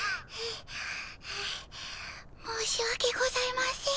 申しわけございません。